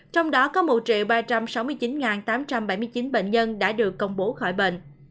trong đó có một ba trăm sáu mươi chín tám trăm bảy mươi chín bệnh nhân đã được công bố khỏi bệnh